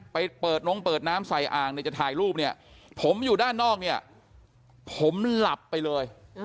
ไปเปิดนงเปิดน้ำใส่อ่างเนี่ยจะถ่ายรูปเนี่ยผมอยู่ด้านนอกเนี่ยผมหลับไปเลย